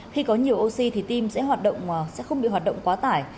khi có nhiều oxy thì tim sẽ không bị hoạt động quá tải